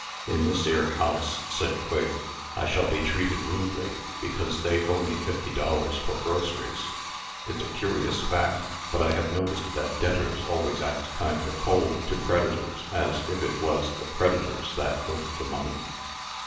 "In this 'ere house," said Quigg, "I shall be treated rudely, because they owe me fifty dollars for groceries. It's a curious fact, but I have noticed that debtors always act kind o' cold to creditors, as if it was the creditors that owed the money."